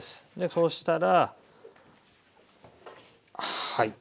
そしたらはい。